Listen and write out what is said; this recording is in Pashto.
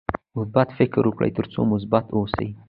مثبت فکر وکړه ترڅو مثبت اوسې.